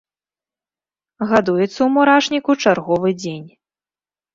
Гадуецца ў мурашніку чарговы дзень.